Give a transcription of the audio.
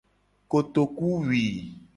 Kotokuwui.